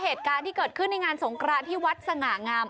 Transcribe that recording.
เหตุการณ์ที่เกิดขึ้นในงานสงครานที่วัดสง่างาม